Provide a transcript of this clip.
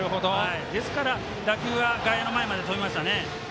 ですから、打球が外野の前まで飛びましたね。